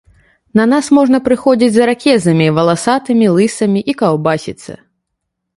На нас можна прыходзіць з іракезамі, валасатымі, лысымі і каўбасіцца.